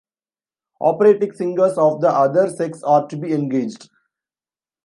Operatic singers of the other sex are to be engaged.